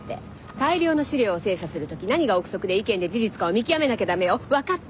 大量の資料を精査する時何が臆測で意見で事実かを見極めなきゃダメよ。分かった？